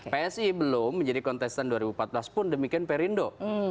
psi belum menjadi kontestan dua ribu empat belas pun demikian perindo